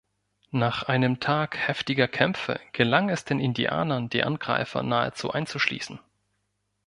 Nach einem Tag heftiger Kämpfe gelang es den Indianern, die Angreifer nahezu einzuschließen.